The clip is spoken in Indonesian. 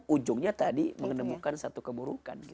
ujungnya tadi menemukan satu keburukan